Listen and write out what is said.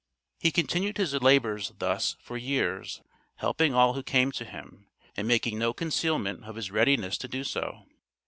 He continued his labors, thus, for years, helping all who came to him, and making no concealment of his readiness to do so.